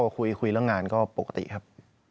คุยเรื่องงานก็ปกติครับ